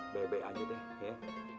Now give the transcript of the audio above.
baik baik aja deh ya